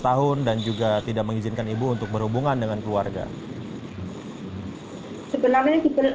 tahun dan juga tidak mengizinkan ibu untuk berhubungan dengan keluarga sebenarnya kita